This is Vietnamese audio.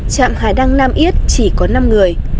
chạm hải đăng nam ít chỉ có năm người